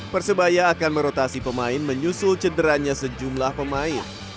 persebaya akan merotasi pemain menyusul cederanya sejumlah pemain